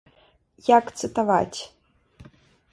Як цытаваць?